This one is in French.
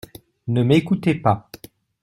Ne m’écoutez pas.